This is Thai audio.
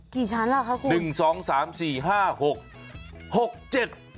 กี่ชั้นแล้วครับคุณครับคุณ๑๒๓๔๕๖